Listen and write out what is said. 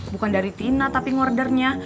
bukan dari tina tapi ngornya